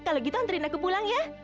kalau gitu antriin aku pulang ya